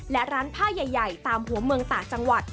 และร้านผ้าใหญ่ตามหัวเมืองต่างจังหวัด